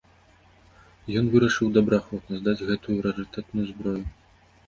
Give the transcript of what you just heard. Ён вырашыў добраахвотна здаць гэтую рарытэтную зброю.